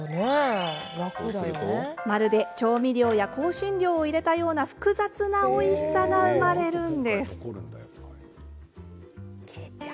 まるで調味料や香辛料を入れたような、複雑なおいしさが生まれるんです。